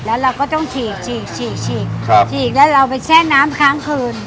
แล้วเราก็ต้องฉีกฉีกฉีกฉีกฉีกแล้วเราไปแช่น้ำค้างคืน